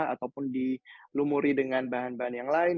ataupun dilumuri dengan bahan bahan yang lain